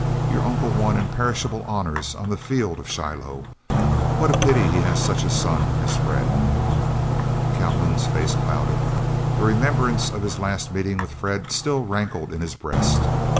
Your uncle won imperishable honors on the field of Shiloh. What a pity he has such a son as Fred!" Calhoun's face clouded. The remembrance of his last meeting with Fred still rankled in his breast.